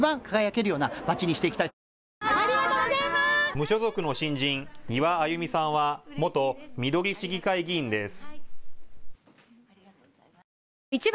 無所属の新人、丹羽あゆみさんは元みどり市議会議員です。